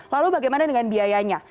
lalu bagaimana dengan biaya